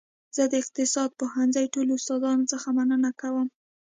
زه د اقتصاد پوهنځي ټولو استادانو څخه مننه کوم